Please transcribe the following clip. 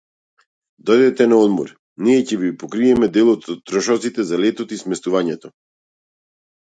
Дојдете на одмор, ние ќе ви покриеме дел од трошоците за летот и сместувањето